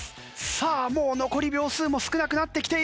さあもう残り秒数も少なくなってきている！